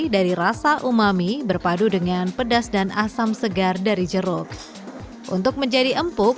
dari rasa umami berpadu dengan pedas dan asam segar dari jeruk untuk menjadi empuk